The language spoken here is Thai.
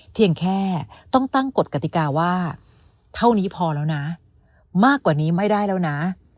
เพียงแค่ต้องตั้งกฎกติกาว่าเท่านี้พอแล้วนะมากกว่านี้ไม่ได้แล้วนะ